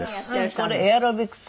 これエアロビクス。